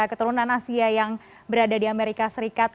keturunan asia yang berada di amerika serikat